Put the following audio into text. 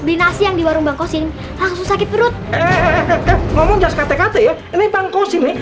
beli nasi yang di warung bangkosin langsung sakit perut ngomong jas ktk ini bangkos ini